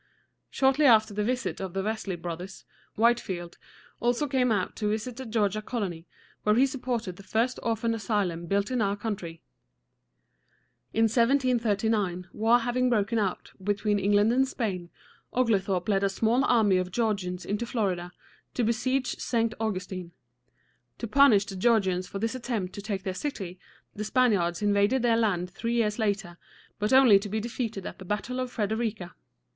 Shortly after the visit of the Wesley brothers, White´field also came out to visit the Georgia colony, where he supported the first orphan asylum built in our country. In 1739, war having broken out between England and Spain, Oglethorpe led a small army of Georgians into Florida, to besiege St. Augustine. To punish the Georgians for this attempt to take their city, the Spaniards invaded their land three years later, but only to be defeated at the battle of Fred er i´ca.